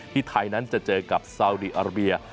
ไทยนั้นจะเจอกับซาวดีอาราเบีย